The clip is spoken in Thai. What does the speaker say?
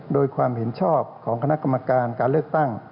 โดยความเห็นชอบของคณะกรรมการการเลือกตั้ง